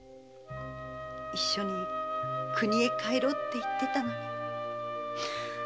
一緒に故郷へ帰ろうって言ってたのに。